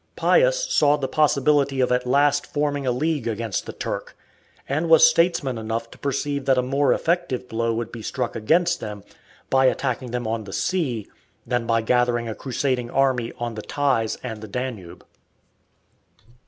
Pius saw the possibility of at last forming a league against the Turk, and was statesman enough to perceive that a more effective blow would be struck against them by attacking them on the sea than by gathering a crusading army on the Theiss and the Danube.